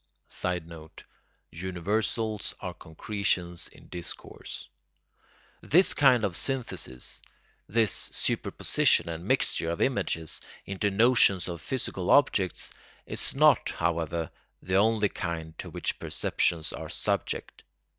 [Sidenote: Universals are concretions in discourse.] This kind of synthesis, this superposition and mixture of images into notions of physical objects, is not, however, the only kind to which perceptions are subject.